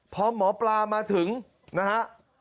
พอหมอปลามาถึงนะครับ